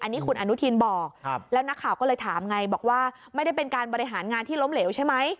อันนี้คุณอนุทินบอกแล้วนักข่าวก็เลยถามไงบอกว่าไม่ได้เป็นการบริหารงานที่ล้มเหลวใช่ไหม